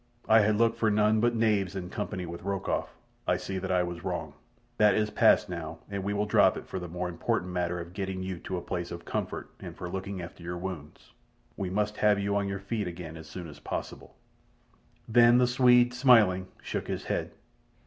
"I had looked for none but knaves in company with Rokoff. I see that I was wrong. That is past now, and we will drop it for the more important matter of getting you to a place of comfort and looking after your wounds. We must have you on your feet again as soon as possible." The Swede, smiling, shook his head.